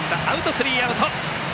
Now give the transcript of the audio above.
スリーアウト。